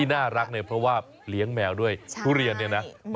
นักสับแมวน่ารักแล้วนะครับ